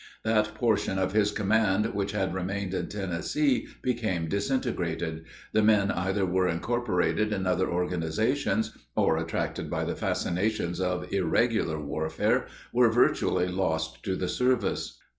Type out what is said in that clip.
That portion of his command which had remained in Tennessee became disintegrated; the men either were incorporated in other organizations, or, attracted by the fascinations of irregular warfare, were virtually lost to the service.